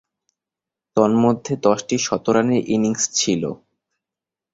তন্মধ্যে, দশটি শতরানের ইনিংস ছিল।